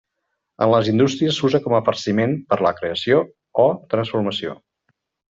En les indústries s'usa com a farciment per a la creació o transformació.